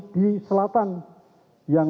di selatan yang